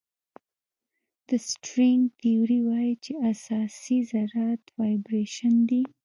د سټرینګ تیوري وایي چې اساسي ذرات وایبریشن دي.